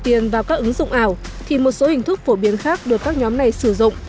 tiền vào các ứng dụng ảo thì một số hình thức phổ biến khác được các nhóm này sử dụng